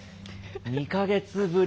２か月ぶり？